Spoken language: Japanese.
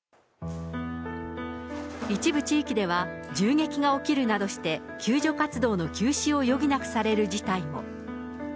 一部地域では、銃撃が起きるなどして、救助活動の休止を余儀なくされる事態も。